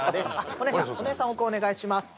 お姉さんお姉さん奥お願いします